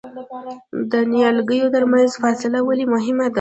د نیالګیو ترمنځ فاصله ولې مهمه ده؟